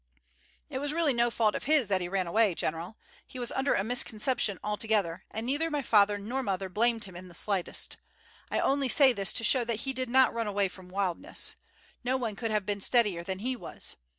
"It was really no fault of his that he ran away, general; he was under a misconception altogether, and neither my father nor mother blamed him in the slightest. I only say this to show that he did not run away from wildness. No one could have been steadier than he was.